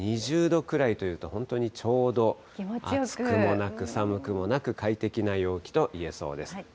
２０度くらいというと、本当にちょうど暑くもなく寒くもなく、快適な陽気と言えそうです。